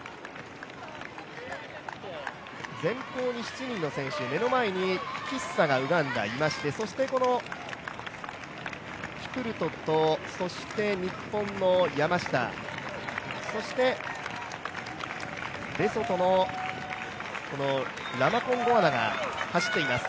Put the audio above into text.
前方に７人の選手、目の前にキッサがウガンダ、いまして、そしてこのキプルトと、そして日本の山下そしてレソトのラマコンゴアナが走っています